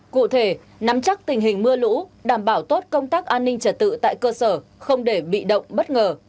cụ thể nắm chắc tình hình mưa lũ đảm bảo tốt công tác an ninh trật tự tại cơ sở không để bị động bất ngờ